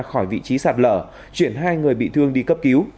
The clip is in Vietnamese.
khỏi vị trí sạt lở chuyển hai người bị thương đi cấp cứu